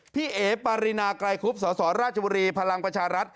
พี่เอ๋ปรินากรายคุพศสรราชบุรีพลังประชารัฐ